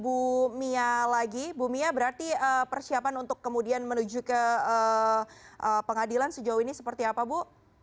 bu mia lagi bu mia berarti persiapan untuk kemudian menuju ke pengadilan sejauh ini seperti apa bu